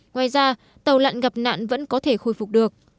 ngoài ra tàu lặn gặp nạn vẫn có thể khôi phục được